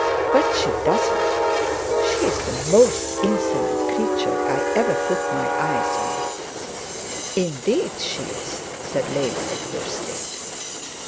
But she does not. She is the most insolent creature I have ever put my eyes on.' 'Indeed she is,' said Lady De Courcy.